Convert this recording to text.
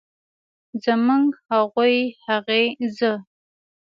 زموږ، هغوی ، هغې ،زه